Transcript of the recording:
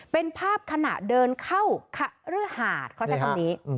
เป็นภาพขณะเดินเข้าฤหาดเขาใช้คำนี้